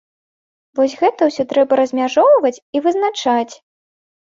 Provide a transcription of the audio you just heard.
Вось гэта ўсё трэба размяжоўваць і вызначаць.